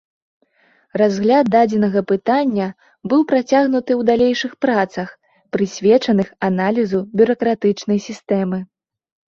Разгляд дадзенага пытання быў працягнуты ў далейшых працах, прысвечаных аналізу бюракратычнай сістэмы.